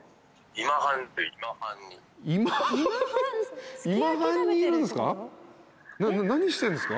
今半にいるんすか？